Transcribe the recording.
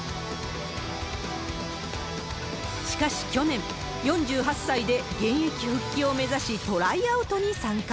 しかし去年、４８歳で現役復帰を目指し、トライアウトに参加。